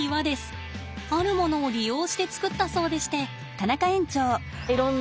あるものを利用してつくったそうでして。